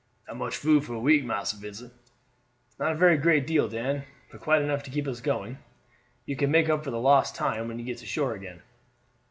"Not much food for a week, Massa Vincent." "Not a very great deal, Dan; but quite enough to keep us going. You can make up for lost time when you get to shore again."